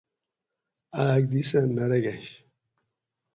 آک دی سہ نہ رگنش